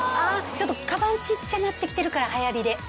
カバンちっちゃなってきてるから流行りで。